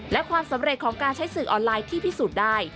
และความสำเร็จของการใช้สื่อออนไลน์ที่พิสูจน์ได้